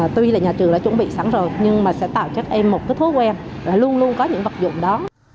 tuy là nhà trường đã chuẩn bị sẵn rồi nhưng mà sẽ tạo cho các em một cái thói quen luôn luôn có những vật dụng đó